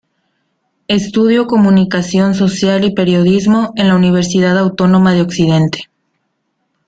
Estudio Comunicación Social y Periodismo, en la Universidad Autónoma de Occidente.